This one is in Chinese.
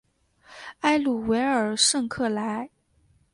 埃鲁维尔圣克莱。